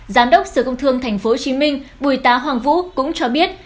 giám đốc sở công thương thành phố hồ chí minh bùi tá hoàng vũ cũng cho biết